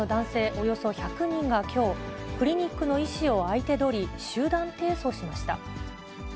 およそ１００人がきょう、クリニックの医師を相手取り、集団提訴しました。